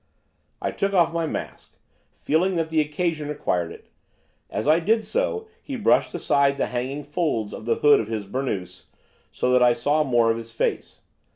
I took off my mask, feeling that the occasion required it. As I did so he brushed aside the hanging folds of the hood of his burnoose, so that I saw more of his face.